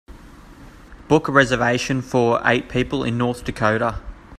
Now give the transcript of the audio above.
Book a reservation for eight people in North Dakota